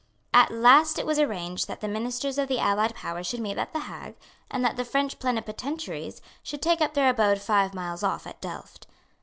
At last it was arranged that the ministers of the Allied Powers should meet at the Hague, and that the French plenipotentiaries should take up their abode five miles off at Delft.